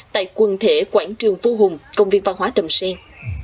tại quần thể quảng trường vô hùng công viên văn hóa đầm sen